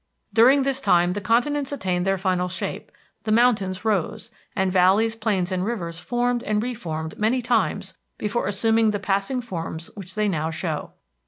During this time the continents attained their final shape, the mountains rose, and valleys, plains, and rivers formed and re formed many times before assuming the passing forms which they now show.